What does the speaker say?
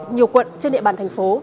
nhiều quận trên địa bàn thành phố